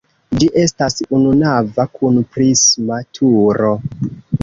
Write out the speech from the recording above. Ĝi estas ununava kun prisma turo.